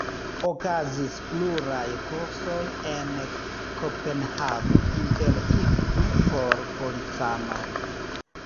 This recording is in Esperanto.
Okazis pluraj kursoj en Kopenhago, inter ili du por policanoj.